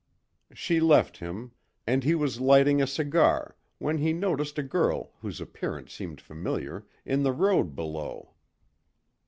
She left him, and he was lighting a cigar when he noticed a girl whose appearance seemed familiar in the road below.